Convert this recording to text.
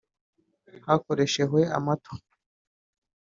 hakoreshehwe amato